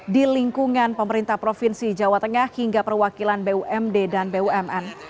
di lingkungan pemerintah provinsi jawa tengah hingga perwakilan bumd dan bumn